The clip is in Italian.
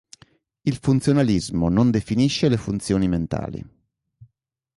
Il Funzionalismo non "definisce" le funzioni mentali.